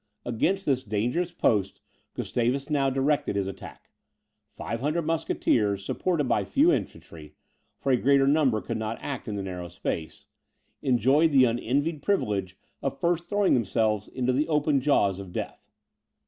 Against this dangerous post Gustavus now directed his attack; five hundred musketeers, supported by a few infantry, (for a greater number could not act in the narrow space,) enjoyed the unenvied privilege of first throwing themselves into the open jaws of death.